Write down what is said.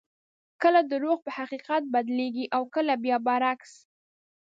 کله درواغ په حقیقت بدلېږي او کله بیا برعکس.